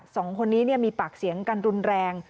สองคนนี้มีปากเสียงกันรุนแรง